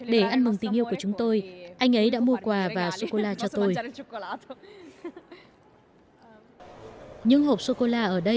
để ăn mừng tình yêu của chúng tôi tôi sẽ ăn sô cô la